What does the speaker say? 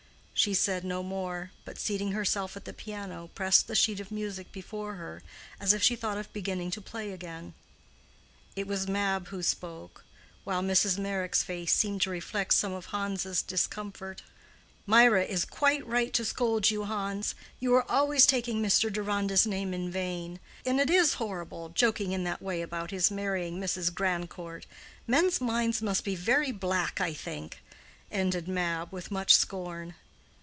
She said no more, but, seating herself at the piano, pressed the sheet of music before her, as if she thought of beginning to play again. It was Mab who spoke, while Mrs. Meyrick's face seemed to reflect some of Hans' discomfort. "Mirah is quite right to scold you, Hans. You are always taking Mr. Deronda's name in vain. And it is horrible, joking in that way about his marrying Mrs. Grandcourt. Men's minds must be very black, I think," ended Mab, with much scorn.